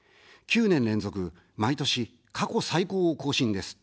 ９年連続、毎年、過去最高を更新です。